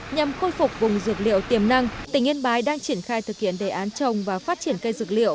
nhằm khôi phục vùng dược liệu tiềm năng tỉnh yên bái đang triển khai thực hiện đề án trồng và phát triển cây dược liệu